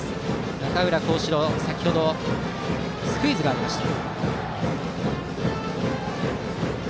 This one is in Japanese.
中浦浩志朗は先程スクイズがありました。